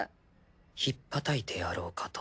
ひっぱたいてやろうかと。